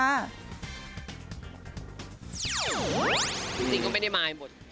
จริงก็ไม่ได้มายหมด